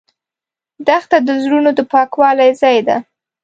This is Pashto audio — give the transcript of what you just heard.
دښته د زړونو د پاکوالي ځای ده.